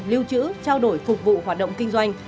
lưu trữ trao đổi phục vụ hoạt động kinh doanh